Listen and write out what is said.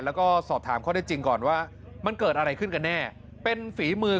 แล้วก็สอบถามข้อได้จริงก่อนว่ามันเกิดอะไรขึ้นกันแน่เป็นฝีมือ